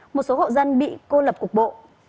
một số hộ dân bị cô lập cục bộ